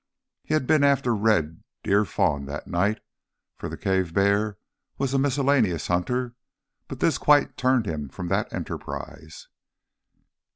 He had been after red deer fawn that night, for the cave bear was a miscellaneous hunter, but this quite turned him from that enterprise.